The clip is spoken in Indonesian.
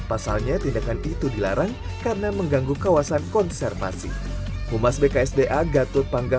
pasalnya tindakan itu dilarang karena mengganggu kawasan konservasi humas bksda gatot panggang